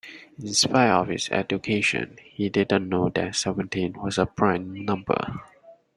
In spite of his education, he didn't know that seventeen was a prime number